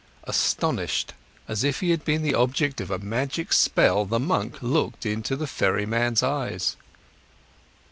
Astonished, as if he had been the object of a magic spell, the monk looked into the ferryman's eyes.